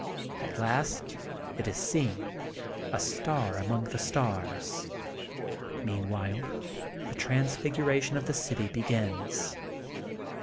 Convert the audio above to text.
At last it is seen, a star among the stars. Meanwhile the transfiguration of the city begins.